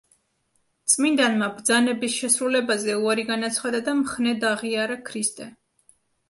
წმინდანმა ბრძანების შესრულებაზე უარი განაცხადა და მხნედ აღიარა ქრისტე.